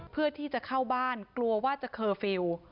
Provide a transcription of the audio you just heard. เพื่อที่จะเข้าบ้านกลัวว่าจะเคอร์ฟิลล์